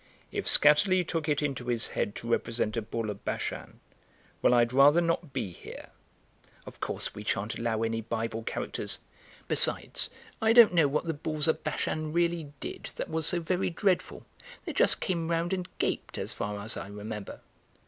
"If Skatterly took it into his head to represent a Bull of Bashan, well, I'd rather not be here." "Of course we shan't allow any Bible characters. Besides, I don't know what the Bulls of Bashan really did that was so very dreadful; they just came round and gaped, as far as I remember."